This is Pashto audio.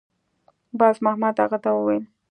بازمحمد هغه ته وویل